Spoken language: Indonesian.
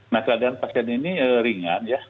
nah keadaan pasien ini ringan ya